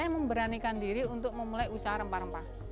saya memberanikan diri untuk memulai usaha rempah rempah